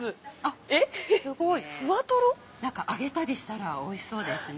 すごい！何か揚げたりしたらおいしそうですね。